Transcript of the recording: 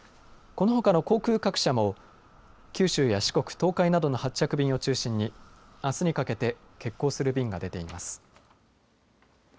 このほかの航空各社も九州や四国東海などの発着便を中心にあすにかけて欠航する便が出ています。